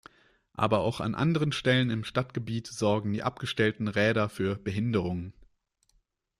Aber auch an anderen Stellen im Stadtgebiet sorgen die abgestellten Räder für Behinderungen.